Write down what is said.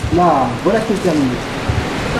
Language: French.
Là ! voilà qui est terminé !…